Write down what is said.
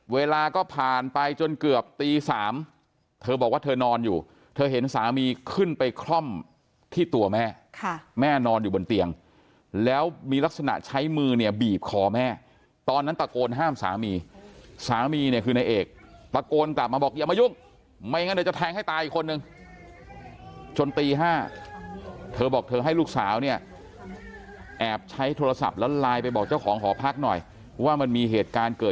เวลาก็ผ่านไปจนเกือบตีสามเธอบอกว่าเธอนอนอยู่เธอเห็นสามีขึ้นไปคล่อมที่ตัวแม่ค่ะแม่นอนอยู่บนเตียงแล้วมีลักษณะใช้มือเนี่ยบีบคอแม่ตอนนั้นตะโกนห้ามสามีสามีเนี่ยคือในเอกตะโกนกลับมาบอกอย่ามายุ่งไม่งั้นจะแทงให้ตายอีกคนหนึ่งจนตีห้าเธอบอกเธอให้ลูกสาวเนี่ยแอบใช้โทรศัพท์แล้